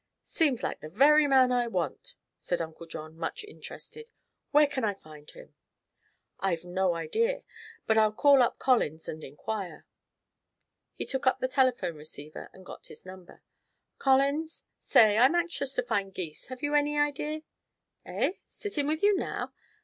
"Seems like the very man I want," said Uncle John, much interested. "Where can I find him?" "I've no idea. But I'll call up Collins and inquire." He took up the telephone receiver and got his number. "Collins? Say, I'm anxious to find Gys. Have you any idea Eh? Sitting with you now?